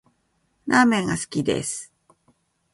ラーメンが好きです